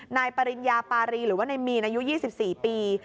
นายปริญญาปารีหรือว่านายมีนอายุ๒๔ปี